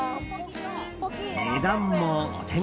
値段もお手頃。